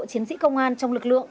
chiến sĩ công an trong lực lượng